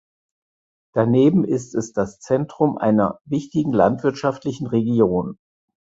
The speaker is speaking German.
Daneben ist es das Zentrum einer wichtigen landwirtschaftlichen Region.